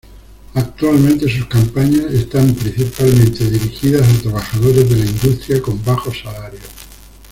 Actualmente sus campañas están principalmente dirigidas a trabajadores de la industria con bajos salarios.